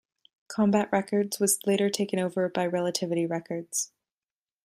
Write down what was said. Combat Records was later taken over by Relativity Records.